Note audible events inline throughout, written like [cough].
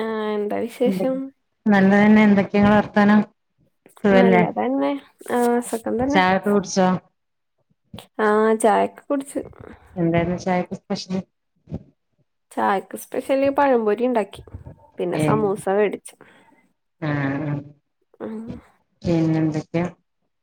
ആഹ് എന്തായി നല്ലതന്നെ എന്തൊക്കെയങ്ങളെ വർത്താനം സുഖല്ലേ നല്ലതന്നെ ആഹ് സുഖം തന്നെ ചായൊക്കെ കുടിച്ചോ ആഹ് ചായെക്കെ കുടിച്ച് എന്തായന്ന് ചായക്ക് സ്പെഷ്യല് ചായക്ക് സ്പെഷ്യല് പഴംപൊരി ഇണ്ടാക്കി പിന്നെ ഏ സമൂസ വേടി ആഹ് പിന്നെന്തൊക്കെയാ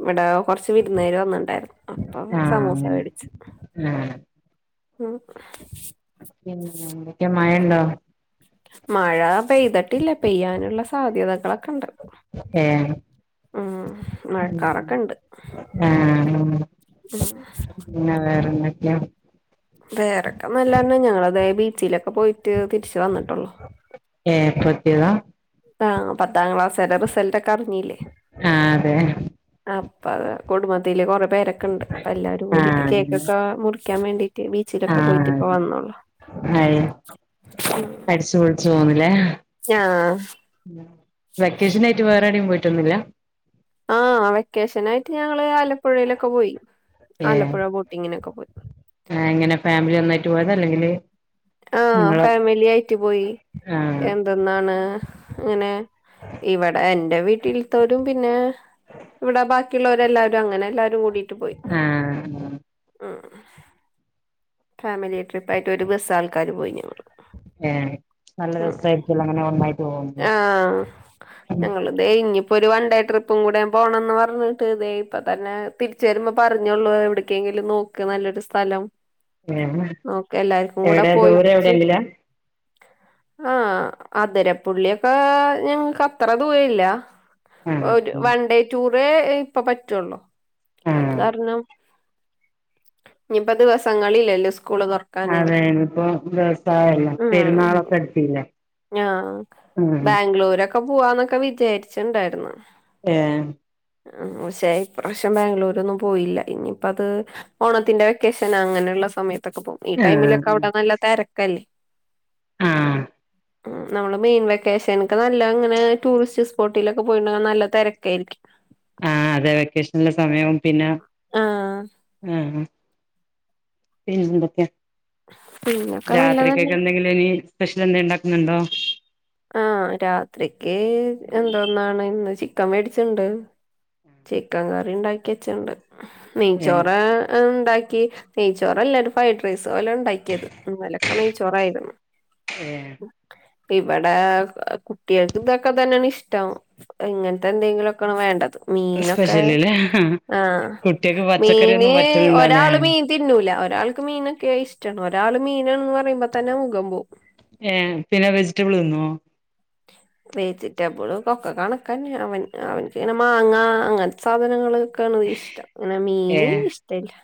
ഇവ്ടെ കൊറച്ച് വിരുന്നേര് വന്നിണ്ടായിരുന്നു അപ്പൊ ആഹ് സമോസ മേടിച്ചു അങ്ങനെ ആഹ് ഉം ഉം [unintelligible] മഴ ഉണ്ടോ മഴ പെയ്തട്ടില്ല പെയ്യാനുള്ള സാധ്യതകളൊക്കെ ണ്ട് ഒക്കെ മഴക്കാറൊക്കെ ഉണ്ട് ആഹ് ഉം. പിന്നെ വേറെന്തൊക്കെയാ വേറെക്കെ നല്ലെ ഞങ്ങള അതെ ബീച്ചിലൊക്കെ പോയിട്ട് തിരിച്ചു വന്നിട്ടുള്ളോ ഏഹ് എപ്പൊത്തിയതാ ആഹ് പത്താം ക്ലാസ്കാർഡെ റിസൾട്ടൊക്കെ അറിഞ്ഞീല്ലേ ആഹ് അതെ അപ്പ അത് കുടുംബത്തില് കൊറെ പേരൊക്കെ ണ്ട് അപ്പ എല്ലാരും കൂടിട്ട് ആഹ് കേക്കൊക്കെ മുറിക്കാൻ വേണ്ടി ദേ ബീച്ചിലൊക്കെ പോയിട്ട് ഇപ്പ വന്നോള്ളു ഏഹ് അടിച്ചുപൊളിച്ചു പോന്നു ല്ലേ ആഹ് വെക്കേഷനായിട്ട് വേറെവിടേം പോയിട്ടൊന്നുംല്ല ആഹ് വെക്കേഷനായിട്ട് ഞങ്ങള് ആലപ്പുഴയിലൊക്കെ പോയി ആലപ്പുഴ ബോട്ടിങ്ങിനൊക്കെ പോയി ആഹ് എങ്ങനെ ഫാമിലി ഒന്നായിട്ട് പോയത അല്ലെങ്കില് ആഹ് നിങ്ങള് ഫാമിലി ആയിറ്റു പോയി ആഹ് എ ഇതെന്നാണ് ഇങ്ങനെ ഇവടെ ഈ എൻ്റെ വീട്ടിൽത്തോരും പിന്നെ ഇവ്ടെ ബാക്കിയുള്ളരെല്ലാരും അങ്ങനെ എല്ലാരും കൂടിട്ട് പോയി ആഹ് ആഹ് ഫാമിലി ട്രിപ്പായിട്ട് ഒരു ബസ്സ് ആൾക്കാര് പോയിഞമ്മള് ഏഹ് നല്ല ദിവസായിട്ട് എല്ലാമങ്ങനെ നന്നായിപോകുന്നു ആഹ് ഞങ്ങൾ ദേ ഇനി ഇപ്പോരു വൺഡേ ട്രിപ്പും കൂടെ പോണംന്ന് പറഞ്ഞിട്ട് ദേ ഇപ്പൊ തന്നെ തിര്ച്ചരുമ്പോ പറഞ്ഞോള്ളൂ എവ്ട്ക്കെങ്കിലും നോക്ക് നല്ലൊരു സ്ഥലം ഏഹ് നോക്കെ എല്ലാർക്കും കൂടെ എവിടെ ദൂരെ പോയിച്ച് എവിടെയെങ്കിലാ ആഹ്, അതിരപ്പുള്ളിയൊക്കെ ഞങ്ങക്ക് അത്ര ദൂരല്ല്യ. ആഹ് ഒരു ഉം വൺ ഡേ ടൂറേ ഇപ്പൊ പറ്റൊള്ളു. അത് ആഹ് കാര്ണം ഞ്ഞിപ്പ ദിവസങ്ങളില്ലല്ലോ സ്കൂള് തൊറ അതേനിപ്പോ ദിവസായല്ലോ ഉം പെര്ന്നാളൊക്കെട്ത്തീലേ. [unintelligible] ബാംഗ്ലൂരൊക്കെ പൂവാന്നൊക്കെ വിചേര്ച്ചിണ്ടായിര്ന്നു. ഏഹ്. ഷേ ഇപ്രാശ്യം ബാംഗ്ലൂരൊന്നും പോയില്ല. ഇനിപ്പത് ഓണത്തിന്റെ വെക്കേഷനങ്ങനെള്ള സമയത്തൊക്കെ പോകും. ഈ ടൈമിലൊക്കെ ആഹ് ഔടെ നല്ല തെരക്കല്ലേ. ആഹ്. ഉം, നമ്മള് മെയിൻ വെക്കേഷനൊക്കെ നല്ല അങ്ങനെ ടൂറിസ്റ്റ് സ്പോട്ടിലൊക്കെ പോയിണ്ടേ നല്ല തെരക്കേരിക്കും. ആഹ്, അതെ. വെക്കേഷൻള്ള സമയാവും പിന്നെ, ആഹ് ആഹ്, ഉം പിന്നെന്തൊക്കെ പിന്നൊക്കെ നല്ലതന്നെ രാത്രികേക്ക് എന്തെങ്കി [unintelligible] നീ സ്പെഷ്യലെന്തെ ണ്ടാക്ക്ന്ന്ണ്ടോ? ആഹ്, രാത്രിക്ക് എന്തോ ന്നാണ് ന്ന് ചിക്കൻ വേടിച്ച്ണ്ട്, ചിക്കൻ കറിണ്ടാക്കിച്ച്ണ്ട്. ഏഹ് നെയ്ച്ചോറാ [unintelligible] ണ്ടാക്കി. നെയ്ച്ചോറല്ല ഒരു ഫൈഡ്രെയ്സ് പോലെണ്ടാക്കിയത്, ഇന്നലൊക്കെ നെയ്ച്ചോറായിര്ന്നു. ഏഹ്. വടേ ഏ കുട്ട്യേക്ക്തൊക്കെ തന്നെണ് ഇഷ്ടം. ഇങ്ങൻത്തെന്തെങ്കിലൊക്കെണ് വേണ്ടത്. മീനൊക്കേ സ്പെഷ്യലില്ലേ ആഹ്‌, കുട്ടികൾക്ക് മീന് പച്ചക്കറിയൊന്നും ഒരാള് പറ്റലുണ്ടാവില്ല മീൻ തിന്നൂല, ഒരാൾക്ക് മീനൊക്കെയിഷ്ടാണ്. ഒരാള് മീനാണ്ന്ന് പറയുമ്പോതന്നെ മുഖം പോവും. ഏഹ്, പിന്നെ വെജിറ്റബിള് തിന്നോ? വെജിറ്റബിള്പൊക്കെ കണക്കന്നെ അവൻ അവൻക്കിങ്ങനെ മാങ്ങ അങ്ങൻത്തെ സാധനങ്ങള് ക്കണത് ഇഷ്ടം. ങ്ങനെ ഏ മീന് ഇഷ്ട്ടല്ല്യ.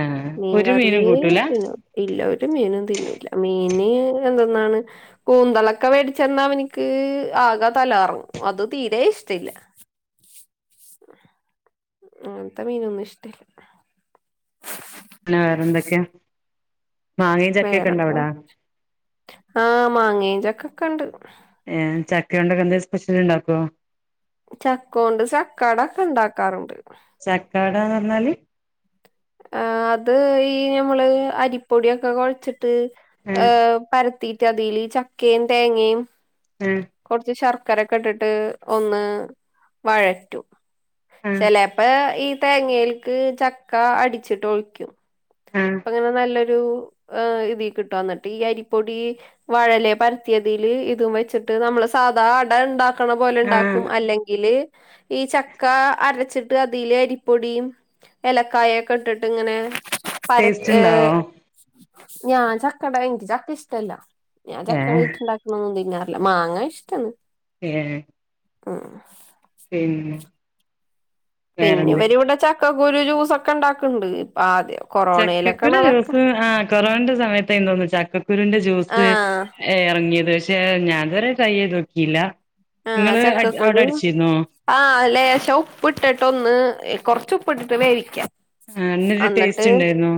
ആഹ് മീൻ ഒരു മീനും കറിയേ കൂട്ടൂല പിന്നോ ഇല്ല ഒരു മീനും തിന്നുല്ല. മീന് എന്തൊന്നാണ് കൂന്തള ക്ക വേടിച്ചെന്ന അവനിക്ക് ആകെ തല കറങ്ങും അത് തീരെ ഇഷ്ടല്ല. അങ്ങൻത്തെ മീനൊന്നും ഇഷ്ടല്ല്യ. പിന്നെ വേറെ എന്തൊക്കെയാ, മാങ്ങയും ചക്കൊക്കെണ്ടോ വേറെപ്പ അവടാ. ആഹ് മാങ്ങേം, ചക്കൊക്കെണ്ട്. ഏഹ്, ചക്കയൊണ്ടൊക്കെ എന്തേ സ്പെഷ്യല്ണ്ടാക്കോ? ചക്കോണ്ട് ചക്കടക്കെണ്ടാക്കാറുണ്ട്. ചക്കാടാന്നർഞ്ഞാല്. ആഹ്, അത് ഈ ഞമ്മള് അരിപ്പൊടിയൊക്കെ കൊഴച്ചിട്ട് ആ ഏഹ് പര ത്തീട്ട് അതില് ചക്കയും തേങ്ങയും ഉം. കൊർച്ച് ശർക്കരക്കെട്ട്ട്ട് ഒന്ന് വഴറ്റും. ആ ചെലേ പ്പോ ഈ തേങ്ങേൽക്ക് ചക്ക അടിച്ചിട്ട് ഒഴിയ്ക്കും. ആ അപ്പൊങ്ങെനെ നല്ലൊരു ഏഹ് ഇതി കിട്ടും, എന്നിട്ട് ഈ അരിപ്പൊടീ വാഴലെ പര്ത്തിയതില് ഇതും വെച്ചിട്ട് നമ്മള് സാധാ അടണ്ടാ ണ്ടാക്കണ ആ പോലെണ്ടാക്കും, അല്ലെങ്കില് ഈ ചക്കാ അരച്ചിട്ട് അതില് അരിപ്പൊടിയും എലക്കായയൊക്കെ ഇട്ടിട്ട്ങ്ങനെ. പരത്ത് ടേസ്റ്റ് ഏ ഇണ്ടാവോ ഞാൻ ചക്കട ഇൻക്ക് ചക്കഷ്ടല്ല. ഞാൻ ഏ ചക്ക [unintelligible] റ്റ് ണ്ടാക്ക്ണൊന്നും തിന്നാറില്ല. മാങ്ങ ഇഷ്ടാന്ന്. ഏഹ്. ഉം. പിന്നെ. പിന്നെ വേറെന്ത് ഇവരിവിട ചക്കക്കുരു ജ്യൂസൊക്കെ ഉണ്ടാക്കണ്ട് ഇപ്പ ആദ്യം കൊറോണയിലൊക്കെയാണ് ചക്കക്കുരു അതൊക്കെ ജ്യൂസ് ആ കൊറോണെന്റെ സമയത്തായിനു തോന്നുന്നു ചക്കക്കുരുന്റെ ജ്യൂസ് ആഹ് എറങ്ങിയത് ക്ഷേ ഞാനിതുവരെ ട്രൈ ചെയ്ത് നോക്കിയില്ല, ആഹ് നിങ്ങള് അവിടെ ചക്കക്കുരു അടിച്ചിരുന്നോ? ആഹ് ലേശം ഉപ്പിട്ടിട്ടൊന്ന് കൊറച്ച് ഉപ്പ് ഇട്ടിട്ട് വേവിക്ക. ആ എ എന്നിട്ട് അന്നിട്ട് ടേസ്റ്റ് ഉണ്ടായിരുന്നോ?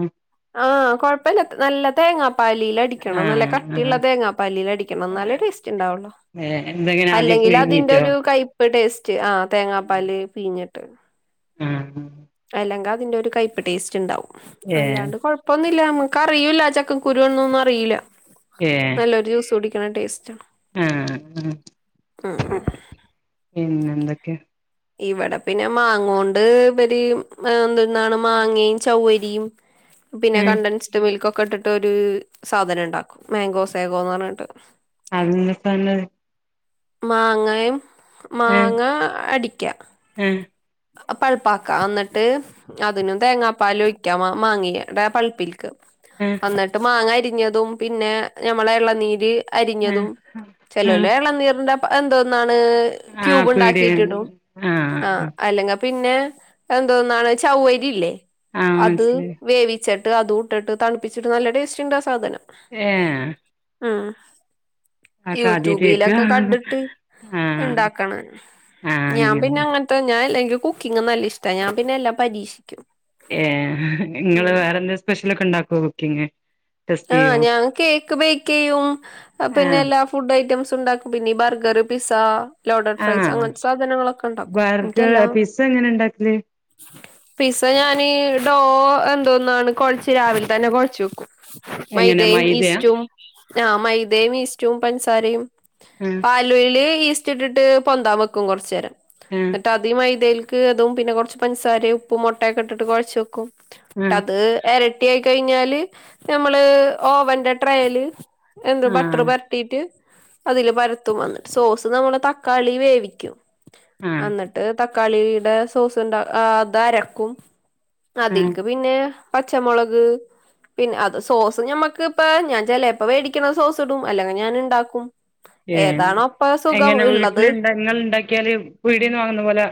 ആഹ് കൊഴപ്പില്ല നല്ല തേങ്ങാപ്പാലിൽ അടിക്കണം, നല്ല ആഹ് കട്ടിയുള്ള തേങ്ങാ പാലിൽ അടിക്കണം എന്നാലേ ടേസ്റ്റ് ഉണ്ടാവുള്ളൂ വേറെ എന്തെക്കെ അല്ലെങ്കിൽ അതിന്റെ ഒരു കൈപ്പ് ടേസ്റ്റ് ആ തേങ്ങാപ്പാല് പീഞ്ഞിട്ട്. ഉം അല്ലെങ്കിൽ അതിന്റെ ഒരു കയ്പ്പ് ടേസ്റ്റ്ണ്ടാവും ഏഹ് അല്ലാണ്ട് കൊഴ ഴപ്പോന്നില്ല നമക്കറിയൂല്ല ചക്ക കുരുന്നൊന്നും അറിയില്ല ഏഹ് കുടിക്കണ ടേസ്റ്റാണ് ആഹ് ൻ എന്തക്കെ ഇവിടെ പിന്നെ മാങ്ങോണ്ട് ഇവര് എന്തന്നാണ് മാങ്ങയും ചൗവ്വരിയും പിന്നെ ഏഹ് കണ്ടൻസ്ഡ് മിൽക്കൊക്കെ ഇട്ടിട്ട് ഒരു സാധനം ഇണ്ടാക്കും മാങ്കോസാഗോന്ന് പറഞ്ഞിട്ട് [unintelligible] മാങ്ങയും ഏഹ് മാങ്ങ അടിക്ക ഏഹ് പൾപ്പാക്ക എന്നിട്ട് അതിനും തേങ്ങാപ്പാലൊഴിക്കാ മാങ്ങിടെ പൾപ്പിൽക്ക് ഉം എന്നിട്ട് മാങ്ങ അരിഞ്ഞതും പിന്നെ ഞമ്മളെ എളനീര് ഏഹ് അരിഞ്ഞതും ചെല്ലോല് ആഹ് എളനീരിന്റെ എന്തോന്നാണ് ആഹ് ക്യൂബ് പീടിയ ഉണ്ടാക്കിട്ട് ഇടും ആഹ് അല്ലെ പിന്നെ എന്തോന്നാണ് ചൗവ്വരി ഇല്ലേ ആഹ് അത് മനസ്സിലായി വേവി ച്ചിട്ട് അതൂട്ടിട്ട് തണുപ്പിച്ചിട്ട് നല്ല ടേസ്റ്റ് ഉണ്ട് ആഹ് സാധനം ഏ ഉം അതൊക്കെ ആദ്യായിട്ട് കേൾക്ക ക്ക കണ്ടിട്ട് ഉണ്ടാക്കണം ആഹ് ഞാൻ പിന്ന അങ്ങനെ അങ്ങന ഞാനില്ലെങ്കി കുക്കിങ് നല്ല ഇഷ്ട്ട ഞാൻ പിന്നെ എല്ലാം പരീക്ഷിക്കും ഏ നിങ്ങള് ഉം വേറെന്തങ്കിലും സ്പെഷ്യല് ഒക്കെ ഉണ്ടാക്കുവോ കുക്കിങ് ആഹ് ടെസ്റ്റെയ്യോ ഞാൻ കേക്ക് ബേക്ക് ചെയ്യും പിന്നെ ആഹ് എല്ലാ ഫുഡ് ഐറ്റംസ് ഉണ്ടാക്കും പിന്നെ ബർഗർ പിസ്സ ലോഡഡ് ഫ്രൈസ് ആഹ് അങ്ങനത്തെ സാധനങ്ങളൊക്കെണ്ടാക്കും ബർഗർ എനിക്കെല്ലാ പിസ്സ എങ്ങനെ ഉണ്ടാക്കല് പിസ്സ ഞാന് ഡോ എന്തോന്നാണ് കൊഴച്ച് രാവിലെ തന്നെ കൊഴച്ച് വെക്കും എങ്ങനെ മൈദയും മൈദയാ ഈസ്റ്റും ആഹ് മൈദയും ഈസ്റ്റും പഞ്ചസാരയും ഉം അല്ലേല് ഈസ്റ്റ് ഇട്ടിട്ട് പൊന്താ വെക്കും ആഹ് കൊറച്ചേരംന്നിട്ട് അത് ഈ മൈദയില്ക്ക് തും പിന്നെ കൊറച്ച് പഞ്ചസാരേം ഉപ്പും മുട്ടൊക്കെ ഇട്ടിട്ട് കൊഴച്ച് വെക്കും എന്നിട്ട് ആഹ് അത് റെഡി ആയി കഴിഞ്ഞാല് നമ്മള് ഓവൻ്റട്രെയില് എന്ത് ബട്ടർ ആഹ് പെ രട്ടീട്ട് അതില് പരത്തും എന്നിട്ട് സോസ് നമ്മള് തക്കാളി വേവിക്കും ആഹ് എന്നിട്ട് തക്കാളിയുടെ സോസ്ണ്ട് അത് അരക്കും ആഹ് അതിൽക്ക് പിന്നെ പച്ചമുളക് പിന്നെ അത് സോസ് ഞമ്മക്ക് ഇപ്പ ഞാൻ ചെലപ്പ മേടിക്കണ സോസ് ഇടും അല്ലെങ്കിൽ ഞാന്ണ്ടാക്കും ഏ എങ്ങനെ വീട്ടിൽണ്ട ഇങ്ങള് ഉണ്ടാക്കിയാല് പീടിയെന്ന് വാങ്ങുന്ന പോലെ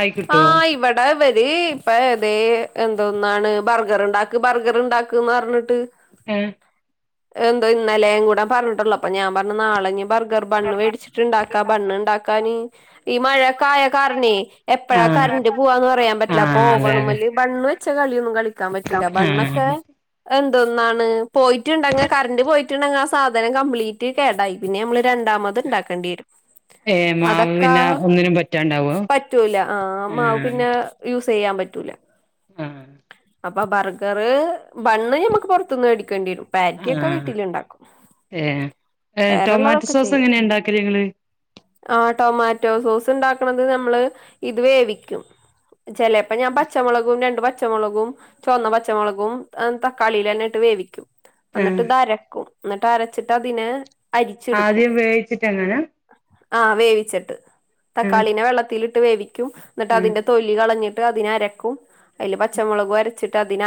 ആയി കിട്ടുവോ ഇപ്പ ഇവര് ഇപ്പൊ ദേ എന്തോന്നാണ് ബർഗർ ഉണ്ടാക്ക് ബർഗർ ഉണ്ടാക്ക് ക്ക്ന്ന് പറഞ്ഞിട്ട് ഉം എന്തോ ഇന്നലെ കൂടെ പറഞ്ഞിട്ടുള്ളൂ അപ്പൊ ഞാൻ പറഞ്ഞ് നാളെ ഇനി ബർ ർ ബണ്ണ് മേടിച്ചിട്ടുണ്ടാക്കാ ബൺ ഉണ്ടാക്കാന് ഈ മഴൊക്കായ കാരണേ എപ്പഴാ ആഹ് കറണ്ട്റ് പോവാന്ന് പറയാൻ പറ്റില്ല അപ്പൊ ആഹ് അതെ അതെ ഓവനുമ്മല് ബൺ വെച്ച കളിയൊന്നും കളിക്കാൻ പറ്റൂല്ല ബണ്ണൊക്കെ ആഹ് എന്തോന്നാണ് പോയിട്ടുണ്ടെങ്കിൽ കറണ്ട്റ് പോയിട്ടുണ്ടെങ്കിൽ ആ സാധനം കംപ്ലീറ്റ് കേടായി പിന്നെ നമ്മള് രണ്ടാമത് ഉണ്ടാക്കേണ്ടി വരും ഏഹ് മാവ് അതൊക്കെ പിന്നെ ഒന്നിനും പറ്റാണ്ടാവോ പറ്റൂല ആ മാവ് ആഹ് പിന്നെ യൂസ് ചെയ്യാൻ പറ്റൂല്ല ആഹ് അപ്പൊ ബർഗർ ബണ്ണ് ഞമ്മക്ക് പുറത്തുനിന്ന് മേടിക്കേണ്ടി വരും ബാക്കിയൊക്കെ ആഹ് വീട്ടിലുണ്ടാക്കും ഏഹ് ഏഹ് ടൊമാറ്റോ വേറെള്ളതൊക്കെ സോസ് ചെയ്യാ എങ്ങനെയാ ഇണ്ടാക്കല് ഇങ്ങള് ആഹ് ടൊമാറ്റോ സോസ് ഉണ്ടാക്കണുന്നത് നമ്മള് ഇത് വേവിക്കും ചിലപ്പ ഞാൻ പച്ചമുളകും രണ്ട് പച്ചമുളകും ചുവന്ന പച്ചമുളകും തക്കാളിൽ എന്നെ ഇട്ട് വേവിക്കും ആഹ് എന്നിട്ട് ഇത് അരക്കും എന്നിട്ട് അരച്ചിട്ട് അതിനെ അരിച്ചെടുക്കും ആദ്യം വേവിച്ചിട്ട് അങ്ങനാ ആ വേവിച്ചിട്ട് ആഹ് തക്കാളി വെള്ളത്തി ട്ട് വേവിക്കും എന്നിട്ട് ആഹ് അതിൻ്റെ തൊലി കളഞ്ഞിട്ട് അതിനരക്കും അതില് പച്ചമുളക് അരച്ചിട്ട് അതിന്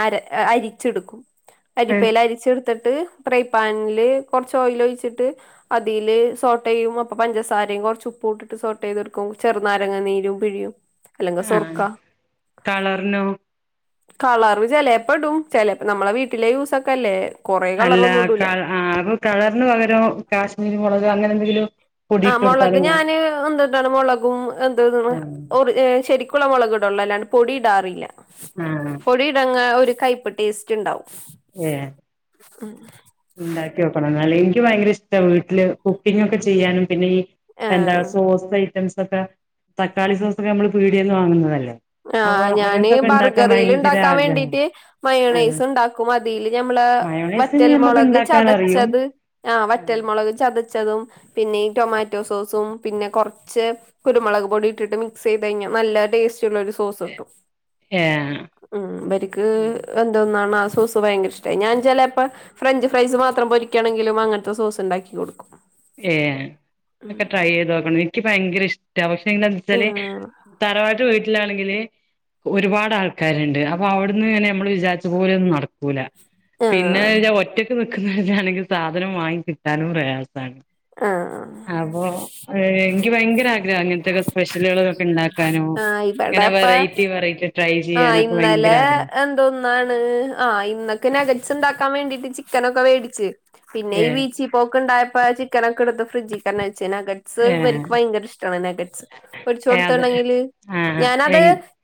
അരിച്ചെടുക്കും ആഹ് അരിപ്പയില് അരിച്ചെടുത്തിട്ട് പ്രൈ പാനില് കൊറച്ച് ഓയില് ഒഴിച്ചിട്ട് അതിൽ സോട്ട് ചെയ്യും അപ്പൊ പഞ്ചസാരയും കുറച്ച് ഉപ്പ് ഇട്ടിട്ട് സോട്ട് ചെയ്തെടുക്കും ചെറുനാരങ്ങനീരും പിഴിയും അല്ലെങ്കില് സൊർക്ക ആഹ് കളറിനോ കളർ ചെലേപ്പെ ഇടും ചെലപ്പ നമ്മളെ വീട്ടിലെ യൂസൊക്കെ അല്ലേ കൊറേ അല്ല കളറൊന്നും ഇടൂല ആ അപ്പൊ കളർന്ന് പകരം കാശ്മീരി മുളക് അങ്ങനെ എന്തെങ്കിലും പൊടിയിട്ട് ആഹ് മുളക് കൊടുത്താലും കാണും ഞാന് എന്ട്ടാണ് മുളകും എന്ത് ശരിക്കുള മുളക് ഇടള്ളൂ അല്ലാണ്ട് പൊടി ഇടാറില്ല ആഹ് പൊടി ഇടങ്ങ്ഒരു കൈപ്പ് ടേസ്റ്റ് ഉണ്ടാവും ഏഹ് ഉണ്ടാക്കി വെക്കണം എന്നാല് എനിക്ക് ഭയങ്കര ഇഷ്ട വീട്ടില് കുക്കിംഗ് ഒക്കെ ചെയ്യാനും പിന്നെ ഈ ആ എന്താ സോസ് ഐറ്റംസ് ഒക്കെ തക്കാളി സോസ് ഒക്കെ നമ്മള് പീടിയന്ന് വാങ്ങുന്നതല്ലേ അപ്പൊ ആഹ് ഞാന് അങ്ങനത്തൊക്കെ ഉണ്ടാക്കാൻ ബർഗറിൽ ഭയങ്കര ഉണ്ടാക്കാൻ ആഗ്രഹാ വേണ്ടീട്ട് ആ മയണൈസ് ഉണ്ടാക്കും അതിൽ ഞമ്മള് മയോണൈസ് ഞമ്മക്ക് വറ്റൽമുളക് ഉണ്ടാക്കാൻ അറിയും ചതച്ചത് ആഹ് വറ്റൽമുളക് ചതച്ചതും പിന്നെ ഈ ടൊമാറ്റോ സോസും പിന്നെ കുറച്ച് കുരുമുളക് പൊടി ഇട്ടിട്ട് മിക്സ് ചെയ്ത് കഴിഞ്ഞാൽ നല്ല ടേസ്റ്റ് ഉള്ള ഒരു സോസ് ഇട്ടും ഏ ഉം അവർക്ക് എന്തോന്നാണ് ആ സോസ് ഭയങ്കര ഇഷ്ടമായി ഞാൻ ചിലപ്പം ഫ്രഞ്ച് ഫ്രൈസ് മാത്രം പൊരിക്കാണെങ്കിലും അങ്ങനത്തെ സോസ് ഉണ്ടാക്കി കൊടുക്കും ഏഹ് ഒക്കെ ഉം ട്രൈ ചെയ്ത് നോക്കണം എനിക്ക് ഭയങ്കര ഇഷ്ട പക്ഷെ എന്ന വെച്ചാല് ആഹ് തറവാട്ട് വീട്ടിലാണെങ്കില് ഒരുപാട് ആൾക്കാരുണ്ട് അപ്പൊ അവിടുന്ന് ഇങ്ങനെ നമ്മൾ വിചാരിച്ച് ലൊന്നും നടക്കൂല ആഹ് പിന്നെച്ച ഒറ്റ നിക്കുന്നവാണെങ്കിൽ സാധനം വാങ്ങി കിട്ടാനും പ്രയാസമാണ് ആ ആഹ് അപ്പൊ എനിക്ക് ഭയങ്കര ആഗ്രഹം അങ്ങനത്തെക്കെ സ്പെഷ്യലുകളൊക്കെ ഉണ്ടാക്കാനും ആഹ് ഇങ്ങനെ ഇവിടെപ്പ വെറൈറ്റി റ്റി വെറൈറ്റി ട്രൈ ചെയ്യാനൊക്കെ ഭയങ്കര ആഗ്രഹാ ന്തൊ ഒന്നാണ് ആഹ് ഇന്നൊക്കെ നഗട്സ് ഉണ്ടാക്കാൻ വേണ്ടിട്ട് ചിക്കനൊക്കെ മേടിച്ച് പിന്നെ ഏ ഈ ബിച്ചി പോക്ക് ഉണ്ടായപ്പോ ചിക്കനൊക്കെടുത്ത് ഫ്രഡ്ജിൽ കെന്നെ വെച്ച് ഏ ഇവർക്ക് ഭയങ്കര ഇഷ്ടമാണ് നെഗറ്റ്സ് പൊരിച്ചു ഏ അതെ കൊടുത്തുണ്ടെങ്കില് ആ എ ഞാനത്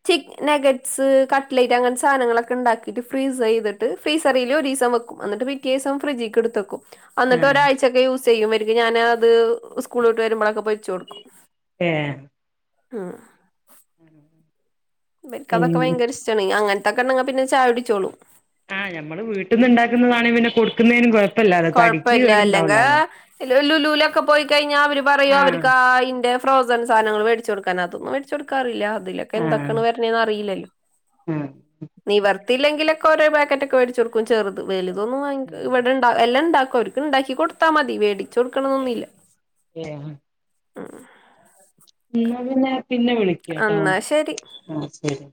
ചി നെഗറ്റ്സ് കട്ട്ലറ്റ് അങ്ങനെ സാധനങ്ങളൊക്കെ ഉണ്ടാക്കിട്ട് ഫ്രീസർ ചെയ്തിട്ട് ഫ്രീസറിൽ ഒരു ദിവസം വെക്കും എന്നിട്ട് പിറ്റെ ദിവസം ഫ്രിഡ്ജിക്ക് എടുത് വെക്കും ആ എന്നിട്ട് ഒരാഴ്ചയക്കെ യൂസ് ചെയ്യും എനിക്ക് ഞാന് അത് സ്കൂളിട്ട് വരുമ്പോഴൊക്കെ പൊരിക്കും വച്ച് കൊടുക്കും ഏ ഉം [inaudible] എനിക്ക് പിന്നെ അതൊക്കെയങ്കര ഇഷ്ടാണ് അങ്ങനത്തൊക്കെണ്ടെങ്കിൽ പിന്നെ ചായ കുടിച്ചോളും ആഹ് ഞമ്മള് വീട്ടിൽന്ന് ഉണ്ടാക്കുന്നതാനെങ്കിൽ പിന്നെ കൊടുക്കുന്നതിനും കുഴ കുഴപ്പമില്ല അല്ലെങ്കിൽ ലുലൂലൊക്കെ പോയി കഴിഞ്ഞാൽ അവര് പറയും ആഹ് അവർക്ക് ആ ഇന്റെ ഫ്രോസൺ സാധങ്ങൾ മേടിച്ച് കൊടുക്കാന് അതൊന്നും മേടിച്ച്ടുക്കാറില്ല അതിലൊക്കെ ആഹ് എന്തൊക്കാണ് വരണന്ന് അറിയില്ലല്ലോ ആഹ് നിവർ ത്തില്ലെങ്കിലൊക്കെ ഓരോ പേ കറ്റ്ഒക്കെ വേടിച്ചു കൊടുക്കും ചെറുത് വലുതൊന്നും വാങ്ങിക്ക് ആഹ് ഇവിടത്തെ എല്ലാം ഇണ്ടാക്കും അവർക്ക് ഇണ്ടാക്കി കൊടുത്താ മതി വേടിച് കൊടുക്കണന്നൊന്നുമില്ല ഏഹ് ആഹ് എന്നാ പിന്നെ പിന്നെ വിളിക്കട്ടോ എന്നാ ശരി ആ ശരി